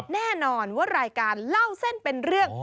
แน่นอนว่ารายการเล่าเส้นเป็นเรื่อง